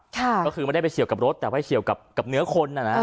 ก็คือไม่ได้ไปเฉียวกับรถแต่ไปเฉียวกับเนื้อคนน่ะนะ